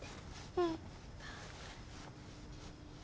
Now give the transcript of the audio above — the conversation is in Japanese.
うん。